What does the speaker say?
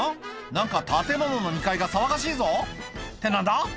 何か建物の２階が騒がしいぞって何だ？